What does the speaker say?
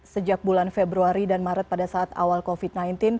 sejak bulan februari dan maret pada saat awal covid sembilan belas